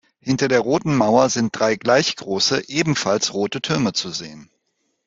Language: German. Hinter der roten Mauer sind drei gleich große ebenfalls rote Türme zu sehen.